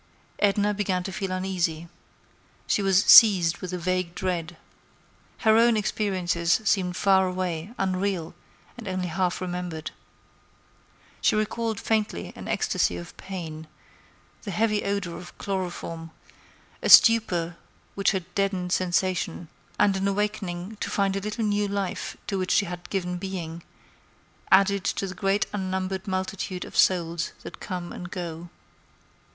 Edna began to feel uneasy. She was seized with a vague dread. Her own like experiences seemed far away, unreal, and only half remembered. She recalled faintly an ecstasy of pain, the heavy odor of chloroform, a stupor which had deadened sensation, and an awakening to find a little new life to which she had given being, added to the great unnumbered multitude of souls that come and go.